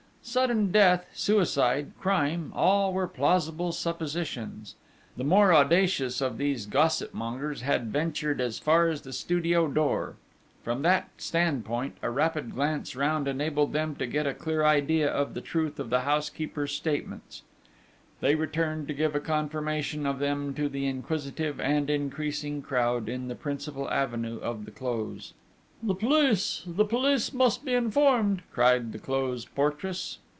Sudden death, suicide, crime all were plausible suppositions. The more audacious of these gossip mongers had ventured as far as the studio door; from that standpoint, a rapid glance round enabled them to get a clear idea of the truth of the housekeeper's statements: they returned to give a confirmation of them to the inquisitive and increasing crowd in the principal avenue of the Close. 'The police! The police must be informed!' cried the Close portress.